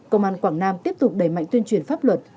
công an quảng nam tiếp tục đẩy mạnh tuyên truyền pháp luật